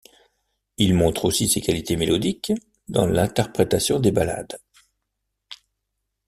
Il montre aussi ses qualités mélodiques dans l’interprétation des ballades.